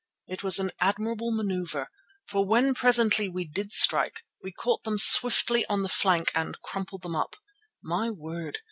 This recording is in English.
It was an admirable manoeuvre, for when presently we did strike, we caught them swiftly on the flank and crumpled them up. My word!